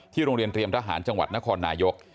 โรงเรียนเตรียมทหารจังหวัดนครนายก